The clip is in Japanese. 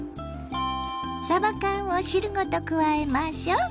さば缶を汁ごと加えましょう。